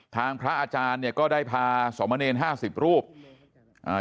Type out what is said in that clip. ทางพระอาจารย์เนี้ยก็ได้พาส่อมเมรนดร์ห้าสิบรูปอ่า